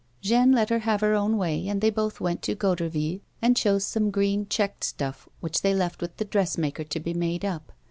Jeanne let her have her own way, and they botli went to Goderville and chose some green, checked stuff, which they left with the dressmaker to be made up.